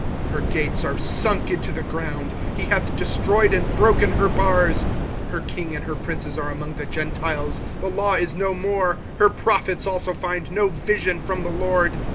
25:002:009 Her gates are sunk into the ground; he hath destroyed and broken her bars: her king and her princes are among the Gentiles: the law is no more; her prophets also find no vision from the LORD.